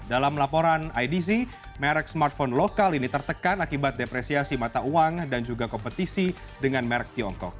dalam laporan idc merek smartphone lokal ini tertekan akibat depresiasi mata uang dan juga kompetisi dengan merek tiongkok